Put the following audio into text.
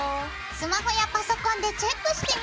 スマホやパソコンでチェックしてみてね。